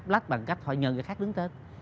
lách bằng cách họ nhờ người khác đứng tên